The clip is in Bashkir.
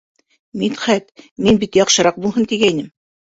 Мидхәт, мин бит яҡшыраҡ булһын, тигәйнем...